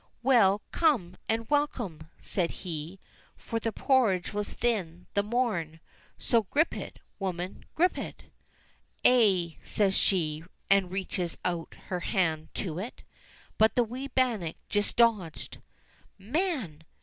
"Well, come and welcome," says he, "for the porridge was thin the morn ; so grip it, woman ! grip it !" "Aye," says she, and reaches out her hand to it. But the wee bannock just dodged. "Man